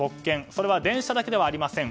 それは電車だけではありません。